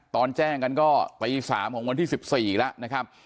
ตอนแจ้งกันก็ตี๓ของวันที่๑๔แล้วนะครับ